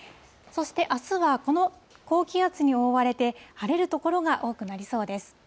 そして、あすはこの高気圧に覆われて、晴れる所が多くなりです。